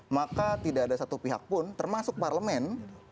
maka tidak ada satu pihak pun termasuk parlemen